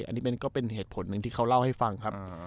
อันนี้ก็เป็นเหตุผลหนึ่งที่เขาเล่าให้ฟังครับ